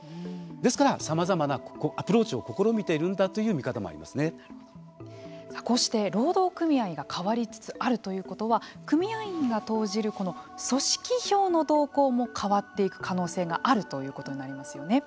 ですからさまざまなアプローチを試みていたんだというこうして労働組合が変わりつつあるということは組合員が投じる組織票の動向も変わっていく可能性があるということになりますよね。